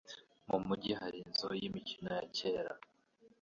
Mu mujyi hari inzu yimikino ya kera.